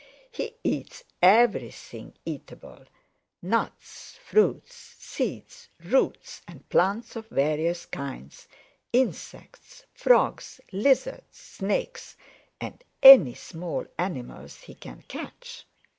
"He eats everything eatable, nuts, fruits, seeds, roots and plants of various kinds, insects, Frogs, Lizards, Snakes and any small animals he can catch.